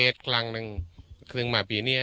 ต่ำ